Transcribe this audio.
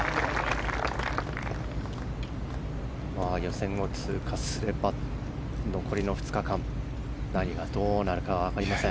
予選を通過すれば残りの２日間何がどうなるか分かりません。